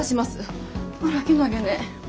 あらけなげね。